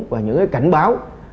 và những cái cảnh báo